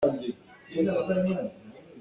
Meh ka cawh nak ah mei nih a ka kangh.